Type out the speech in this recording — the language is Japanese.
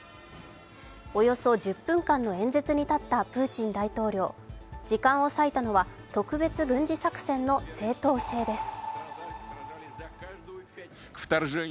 およそ１０分間の演説に立ったプーチン大統領時間を割いたのは特別軍事作戦の正当性です。